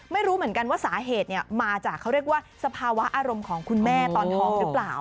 ไม่รู้เหมือนกันว่าสาเหตุมาจากเขาเรียกว่าสภาวะอารมณ์ของคุณแม่ตอนท้องหรือเปล่า